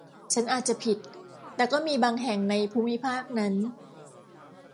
ฉันอาจจะผิด แต่ก็มีบางแห่งในภูมิภาคนั้น